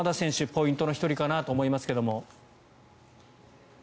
ポイントの１人かなと思いますけども。